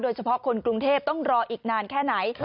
เฉพาะคนกรุงเทพต้องรออีกนานแค่ไหน